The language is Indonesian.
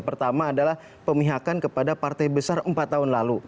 pertama adalah pemihakan kepada partai besar empat tahun lalu